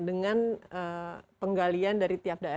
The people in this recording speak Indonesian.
dengan penggalian dari tiap daerah